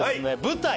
舞台